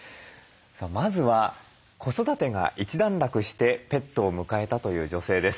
まずは子育てが一段落してペットを迎えたという女性です。